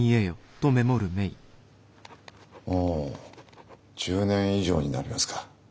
もう１０年以上になりますか。